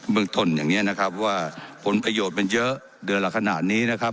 เมืองต้นอย่างนี้นะครับว่าผลประโยชน์มันเยอะเดือนละขนาดนี้นะครับ